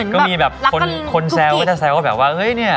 ก็มีแบบคนแซวก็จะแซวว่าแบบว่าเฮ้ยเนี่ย